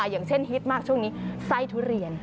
อย่างเช่นฮิตมากช่วงนี้ไส้ทุเรียน